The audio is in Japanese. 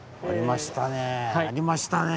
ありました